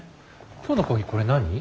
今日のコーヒーこれ何？